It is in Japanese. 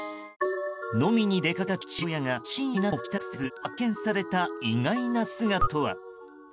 飲みに出かけた父親が深夜になっても帰宅せず発見された意外な姿とは。